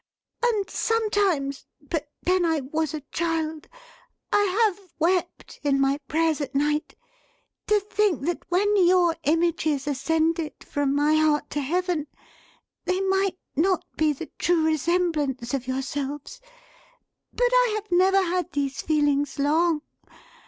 And sometimes (but then I was a child) I have wept, in my prayers at night, to think that when your images ascended from my heart to Heaven, they might not be the true resemblance of yourselves. But I have never had these feelings long.